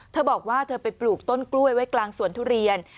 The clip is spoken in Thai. เธอบอกว่าเธอไปปลูกต้นกล้วยไว้กลางสวนทุเรียน